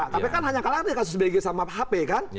kpk kan hanya kalah nih kasus bg sama hp kan